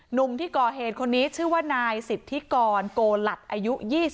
หนุ่มที่ก่อเหตุคนนี้ชื่อว่านายสิทธิกรโกหลัดอายุ๒๒